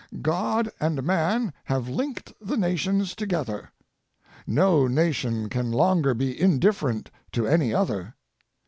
God and man have linked the nations together. No nation can longer be indifferent to any other.